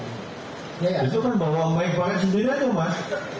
itu kan bawa bawa bawa sendiri aja mas